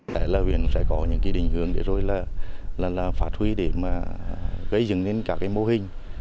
liên lạc sẽ có những cái định hướng để rồi là phát huy để mà gây dừng đến cả cái mô hình